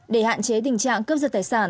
để hạn chế tình trạng cướp giật tài sản